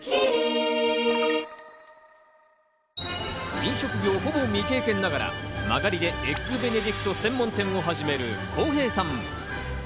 飲食業をほぼ未経験ながら、間借りでエッグベネディクト専門店を始める公平さん。